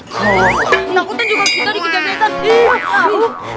takutnya juga kita dikejar kaitan